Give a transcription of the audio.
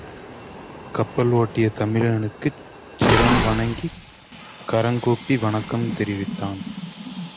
கப்பல் ஒட்டிய தமிழனுக்குச் சிரம் வணங்கிக் கரங்கூப்பி வணக்கம் தெரிவித்தான்.